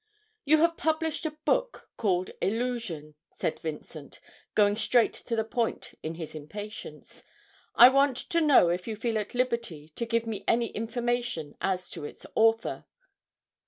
'You have published a book called "Illusion,"' said Vincent, going straight to the point in his impatience. 'I want to know if you feel at liberty to give me any information as to its author?'